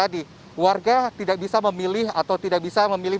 jadi warga tidak bisa memilih atau tidak bisa memilih